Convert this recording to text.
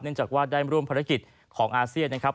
จากว่าได้ร่วมภารกิจของอาเซียนนะครับ